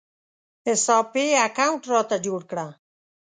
حساب پې اکاونټ راته جوړ کړه